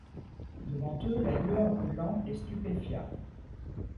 Devant eux, la lueur d’une lampe les stupéfia.